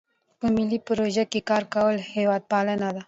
په ملي پروژو کې کار کول هیوادپالنه ده.